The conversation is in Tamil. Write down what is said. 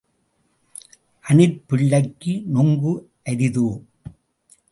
அணிற் பிள்ளைக்கு நுங்கு அரிதோ?